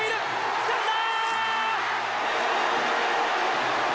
つかんだ！